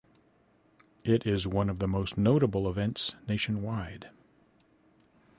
It is one of the most notable events nationwide.